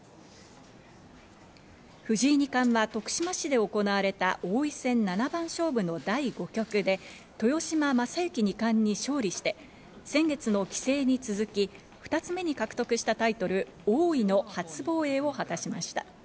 藤井二冠は徳島市で行われた王位戦七番勝負の第５局で豊島将之二冠に勝利して、先月の棋聖に続き、２つ目に獲得したタイトル王位の初防衛を果たしました。